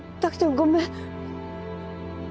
ごめんね。